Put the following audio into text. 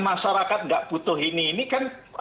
masyarakat nggak butuh ini ini kan